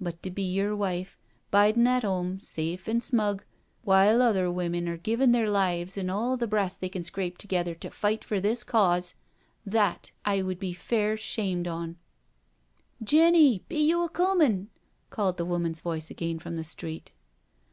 But to be your wife, bidin* at 'ome, safe an' smug, while other women are givin' their lives and all the brass they can scrape together to fight for this cause, that I would be fair shamed on I" " Jenny, be you a coomin'?" called the woman's voice again from the street.